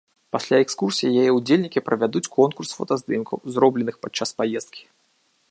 Пасля экскурсіі яе ўдзельнікі правядуць конкурс фотаздымкаў, зробленых падчас паездкі.